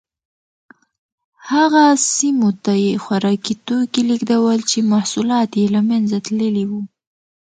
هغه سیمو ته یې خوراکي توکي لېږدول چې محصولات یې له منځه تللي وو